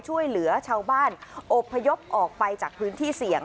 ช่วยเหลือชาวบ้านอบพยพออกไปจากพื้นที่เสี่ยง